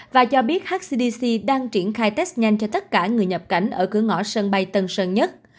và cho biết hcdc đang triển khai test nhanh cho tất cả người nhập cảnh ở cửa ngõ sân bay tân sơn nhất